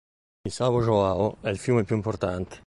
Il São João è il fiume più importante.